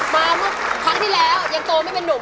มาเมื่อครั้งที่แล้วยังโตไม่เป็นนุ่ม